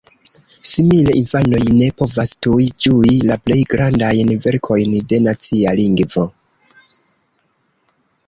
Simile, infanoj ne povas tuj ĝui la plej grandajn verkojn de nacia lingvo!